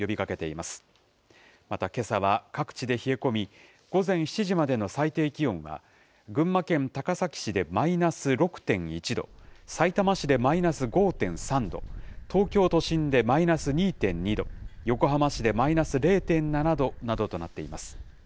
またけさは各地で冷え込み、午前７時までの最低気温は群馬県高崎市でマイナス６．１度、さいたま市でマイナス５．３度、東京都心でマイナス２．２度、横浜市でマイナス０．７度などとなっています。